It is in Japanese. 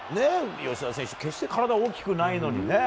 吉田選手、決して体は大きくないのにね。